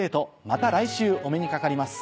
また来週お目にかかります。